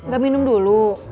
gak minum dulu